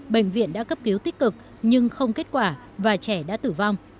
bệnh viện đã cấp cứu tích cực nhưng không kết quả và trẻ đã tử vong